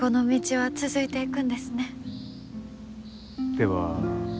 では。